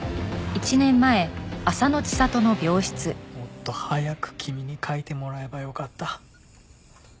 もっと早く君に書いてもらえばよかった。